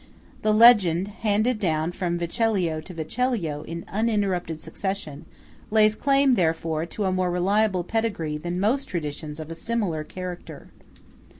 The legend, handed down from Vecellio to Vecellio in uninterrupted succession, lays claim, therefore to a more reliable pedigree than most traditions of a similar character.